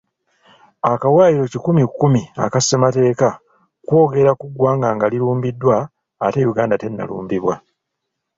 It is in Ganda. Akawaayiro kikumi kumi aka ssemateeka kwogera ku ggwanga nga lirumbiddwa ate Uganda tennalumbibwa.